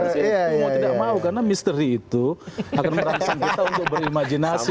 mau tidak mau karena misteri itu akan merangsang kita untuk berimajinasi